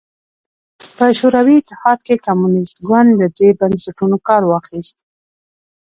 په شوروي اتحاد کې کمونېست ګوند له دې بنسټونو کار واخیست